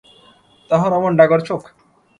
তাহার অমন ডাগর চোখ!